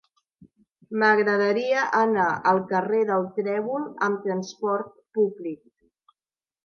M'agradaria anar al carrer del Trèvol amb trasport públic.